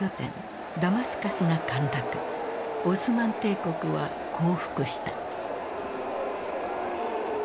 オスマン帝国は降伏した。